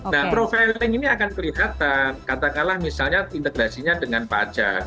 nah profiling ini akan kelihatan katakanlah misalnya integrasinya dengan pajak